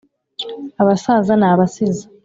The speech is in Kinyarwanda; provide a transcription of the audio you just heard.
Abasaza n'abasizi